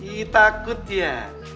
ih takut ya